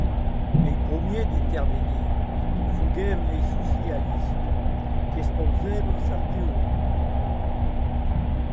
Es prumèrs a intervier sigueren es socialistes qu’expausèren era sua teoria.